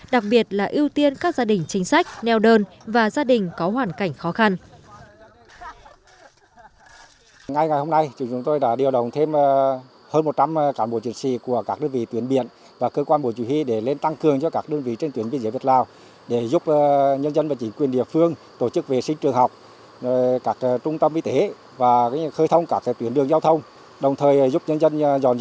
đặc biệt là ưu tiên các gia đình chính sách neo đơn và gia đình có hoàn cảnh khó khăn